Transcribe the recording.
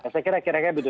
saya kira kira kayak begitu